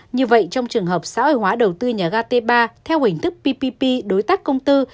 như vậy trong trường hợp xã hội hóa đầu tư nhà ga t ba theo hình thức ppp đối tác công tư